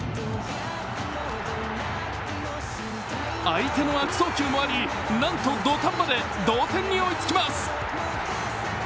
相手の悪送球もあり、なんと土壇場で同点に追いつきます。